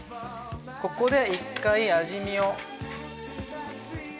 ここで一回味見を。